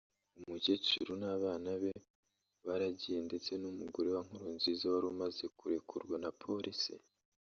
umukecuru n’abana be baragiye ndetse n’umugore wa Nkurunziza wari umaze kurekurwa na Polisi